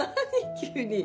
急に。